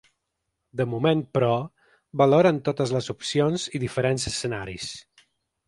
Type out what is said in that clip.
De moment, però, valoren totes les opcions i diferents escenaris.